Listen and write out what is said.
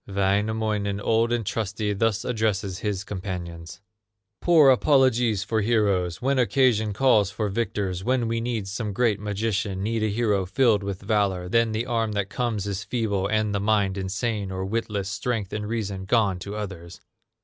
Wainamoinen, old and trusty, Thus addresses his companions: "Poor apologies for heroes! When occasion calls for victors, When we need some great magician, Need a hero filled with valor, Then the arm that comes is feeble, And the mind insane or witless, Strength and reason gone to others!"